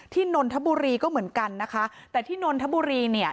นนทบุรีก็เหมือนกันนะคะแต่ที่นนทบุรีเนี่ย